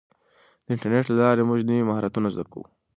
د انټرنیټ له لارې موږ نوي مهارتونه زده کوو.